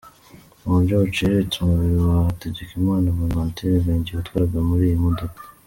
Muburyo buciriritse umubiri wa Hategekimana Bonaventure Gangi watwarwaga muri iyi modoka.